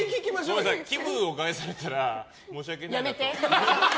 気分を害されたら申し訳ないんですけど。